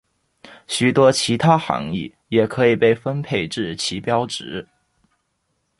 许多其他含意也可以被分配至旗标值。